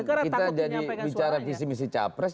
ini kan kita jadi bicara visi visi capres